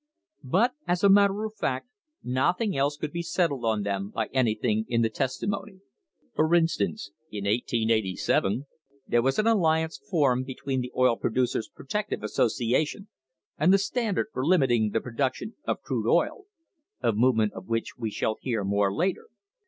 But, as a matter of fact, nothing else could be settled on them by anything in the testimony. For instance, in 1887 there was an alliance formed between the Oil Producers' Protective Association and the Standard for limit ing the production of crude oil (a movement of which we shall hear more later)